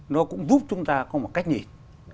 nó cũng giúp chúng ta có một cách nhìn